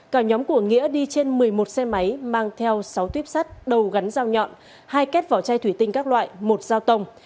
cả nhóm của nghĩa đi trên một mươi một xe máy mang theo sáu tuyếp sắt đầu gắn dao nhọn hai kết vỏ chai thủy tinh các loại một dao tông